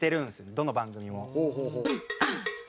どの番組も。